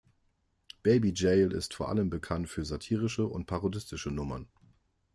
Baby Jail ist vor allem bekannt für satirische und parodistische Nummern.